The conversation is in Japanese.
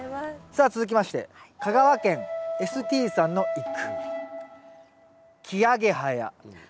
さあ続きまして香川県Ｓ．Ｔさんの一句。